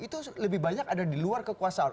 itu lebih banyak ada di luar kekuasaan